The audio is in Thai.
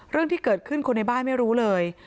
เรื่องที่เกิดขึ้นคนในบ้านไม่รู้เลย